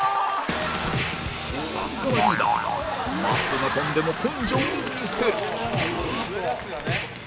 さすがはリーダーマスクが飛んでも根性を見せる